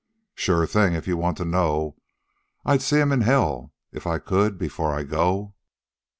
"Sure thing, if you want to know. I'd see'm all in hell if I could, before I go."